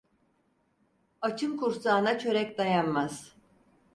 Açın kursağına çörek dayanmaz.